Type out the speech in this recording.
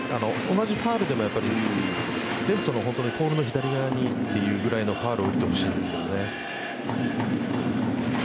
同じファウルでもレフトのボールの左側にというぐらいのファウルを打ってほしいんですけどね。